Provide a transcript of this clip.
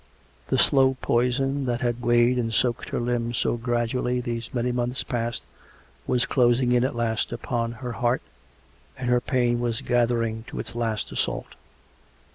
The slow poison that had weighted and soaked her limbs so gradually these many months past, was closing in at last upon her heart, and her pain was gathering to its last assault.